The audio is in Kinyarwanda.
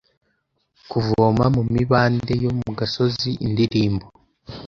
Kuvoma mu mibande yo mu gasozi Indirimbo